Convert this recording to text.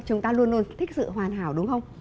chúng ta luôn luôn thích sự hoàn hảo đúng không